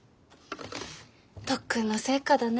特訓の成果だね。